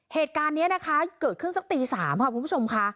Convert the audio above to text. เหตุการณ์นี้นะคะเกิดขึ้นสักตี๓ค่ะคุณผู้ชมค่ะ